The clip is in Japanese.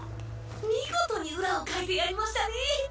見事に裏をかいてやりましたね！